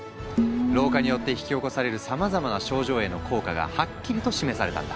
老化によって引き起こされるさまざまな症状への効果がはっきりと示されたんだ。